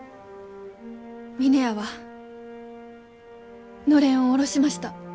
峰屋はのれんを下ろしました。